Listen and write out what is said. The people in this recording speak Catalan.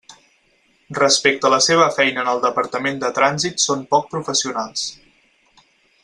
Respecte a la seva feina en el Departament de Trànsit són poc professionals.